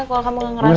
kalau kamu gak ngerasa